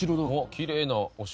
きれいなお城。